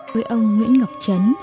với ông nguyễn ngọc trấn